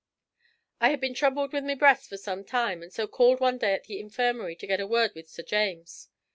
I had been troubled with my breast for some time, and so called one day at the infirmary to get a word with Sir James.